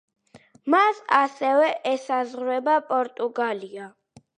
მას ასევე ესაზღვრება პორტუგალია.